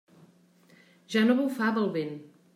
Ja no bufava el vent.